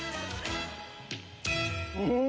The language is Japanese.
うん！